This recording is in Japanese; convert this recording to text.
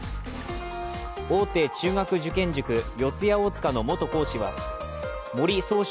大手中学受験塾、四谷大塚の元講師森崇翔